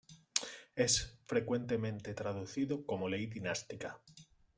Es frecuentemente traducido como "ley dinástica".